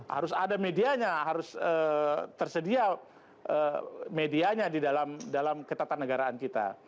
harus ada medianya harus tersedia medianya di dalam ketatanegaraan kita